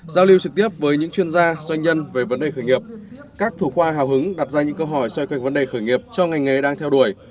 giao lưu trực tiếp với những chuyên gia doanh nhân về vấn đề khởi nghiệp các thủ khoa hào hứng đặt ra những câu hỏi xoay quanh vấn đề khởi nghiệp cho ngành nghề đang theo đuổi